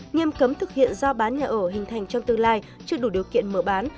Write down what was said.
nghiêm cấm thực hiện do bán nhà ở hình thành trong tương lai trước đủ điều kiện mở bán